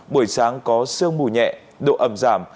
buổi sáng có sương mù nhẹ độ ẩm giảm